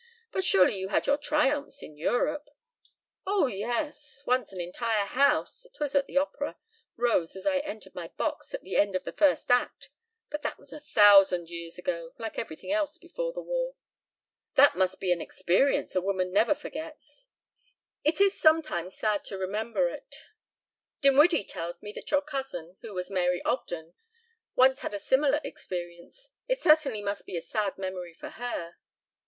But surely you had your triumphs in Europe." "Oh, yes. Once an entire house it was at the opera rose as I entered my box at the end of the first act. But that was a thousand years ago like everything else before the war." "That must be an experience a woman never forgets." "It is sometimes sad to remember it." "Dinwiddie tells me that your cousin, who was Mary Ogden, once had a similar experience. It certainly must be a sad memory for her."